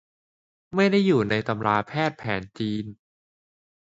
ไม่ได้อยู่ในตำราแพทย์แผนจีน